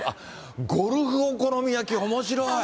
ゴルフお好み焼き、おもしろい。